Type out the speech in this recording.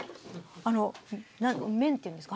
あの麺っていうんですか？